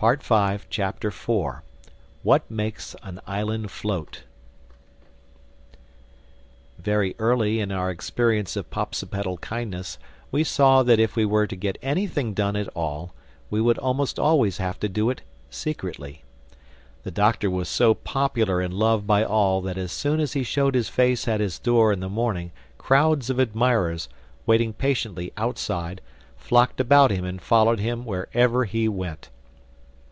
THE FOURTH CHAPTER WHAT MAKES AN ISLAND FLOAT VERY early in our experience of Popsipetel kindness we saw that if we were to get anything done at all, we would almost always have to do it secretly. The Doctor was so popular and loved by all that as soon as he showed his face at his door in the morning crowds of admirers, waiting patiently outside, flocked about him and followed him wherever he went.